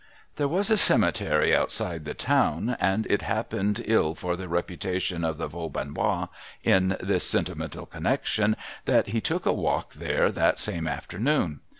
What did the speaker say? ' There was a Cemetery outside the town, and it happened ill for the reputation of the Vaubaiiois, in this sentimental connection, that he took a walk there that same afternoon.